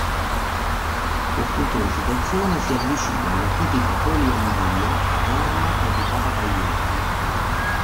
Quest'ultima situazione si avvicina alla tipica poliandria paterna praticata dagli umani.